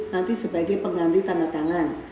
nanti sebagai pengganti tanda tangan